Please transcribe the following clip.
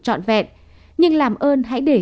trọn vẹn nhưng làm ơn hãy để